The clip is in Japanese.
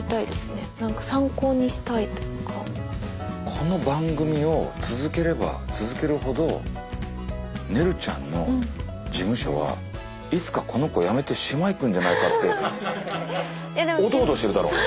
この番組を続ければ続けるほどねるちゃんの事務所はいつかこの子やめて島行くんじゃないかっておどおどしてるだろうね。